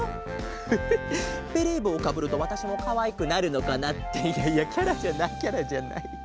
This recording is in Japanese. フフベレーぼうをかぶるとわたしもかわいくなるのかな。っていやいやキャラじゃないキャラじゃない。